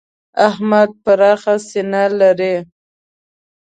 احمد پراخه سینه لري.